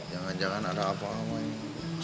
jangan jangan ada apa apa ya